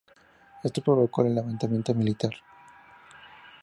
Esto provocó un levantamiento militar.